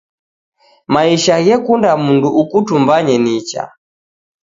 Maisha ghekunda mundu ukutumbanye nicha